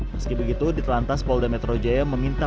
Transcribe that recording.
meski begitu di telantas polda metro jaya meminta